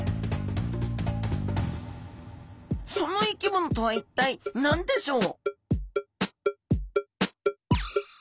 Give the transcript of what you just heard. その生き物とは一体何でしょう？